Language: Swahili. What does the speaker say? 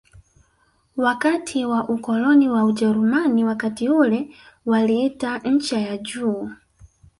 wakati wa ukoloni wa Ujerumani Wakati ule waliita ncha ya juu